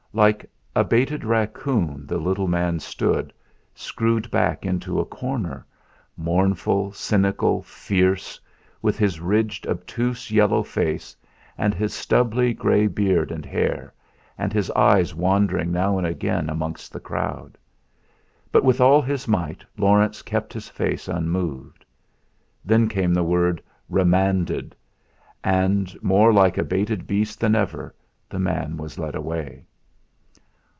Like a baited raccoon the little man stood, screwed back into a corner, mournful, cynical, fierce, with his ridged, obtuse yellow face, and his stubbly grey beard and hair, and his eyes wandering now and again amongst the crowd. But with all his might Laurence kept his face unmoved. Then came the word "Remanded"; and, more like a baited beast than ever, the man was led away.